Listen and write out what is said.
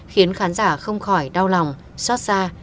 khiến khán giả không khỏi đau lòng xót xa